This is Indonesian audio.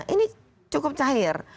ini cukup cair